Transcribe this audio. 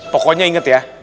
pokoknya inget ya